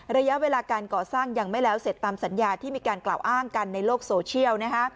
ระยะเวลาการก่อสร้างยังไม่แล้วเสร็จตามสัญญาที่มีการกล่าวอ้างกันในโลกโซเชียล